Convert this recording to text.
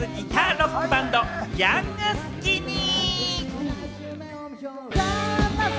ロックバンド・ヤングスキニー。